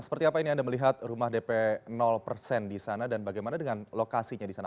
seperti apa ini anda melihat rumah dp persen di sana dan bagaimana dengan lokasinya di sana